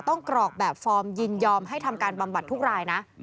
กรอกแบบฟอร์มยินยอมให้ทำการบำบัดทุกรายนะ